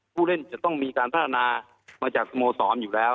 ผู้เล่นจะต้องมีการพัฒนามาจากสโมสรอยู่แล้ว